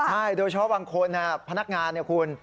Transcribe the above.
ใช่โดยเฉพาะบางคนพนักงานเนี่ยคุณ